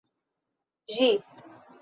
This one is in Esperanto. Ĝi